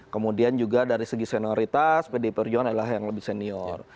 kemudian juga dari segi senioritas pdi perjuangan adalah yang lebih senior